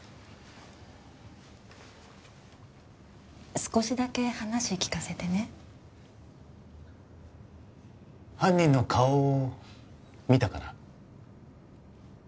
少しだけ話聞かせてね犯人の顔を見たかな？